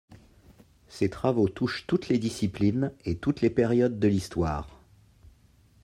Ses travaux touchent toutes les disciplines et toutes les périodes de l'histoire.